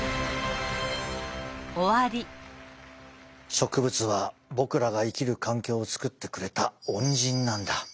植物は僕らが生きる環境を作ってくれた恩人なんだ。